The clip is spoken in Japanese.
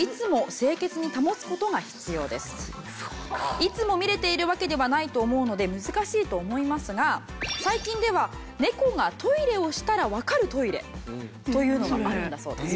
いつも見れているわけではないと思うので難しいと思いますが最近では猫がトイレをしたらわかるトイレというのがあるんだそうです。